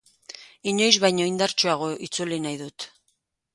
Inoiz baino indartsuagoa itzuli nahi dut.